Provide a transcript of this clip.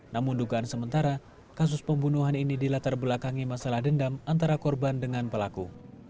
namun dugaan sementara kasus pembunuhan ini dilatar belakangi masalah dendam antara korban dengan pelaku